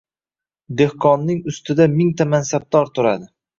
dehqonning ustida mingta mansabdor turadi.